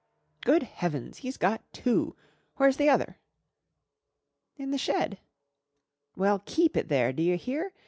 "Good Heavens! He's got two. Where's the other?" "In the shed." "Well, keep it there, do you hear?